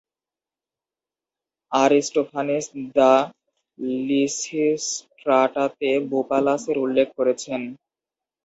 Aristophanes the লিসিস্ট্রাটাতে বুপালাসের উল্লেখ করেছেন।